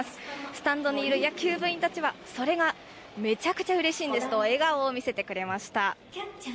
スタンドにいる野球部員たちは、それがめちゃくちゃうれしいんですと、笑顔を見せてくれました。